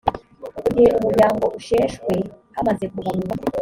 mu gihe umuryango usheshwe hamaze kubarurwa